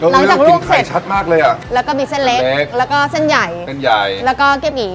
แล้วก็มีเส้นเล็กแล้วก็เส้นใหญ่แล้วก็เกียบหยี